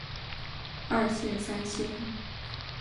二线三星。